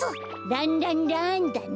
ランランランだね。